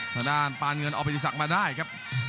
ทางด้านปานเงินอภิษักมาได้ครับ